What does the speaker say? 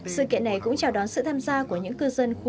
sự kiện này cũng chào đón sự tham gia của những cư dân khu phố cũ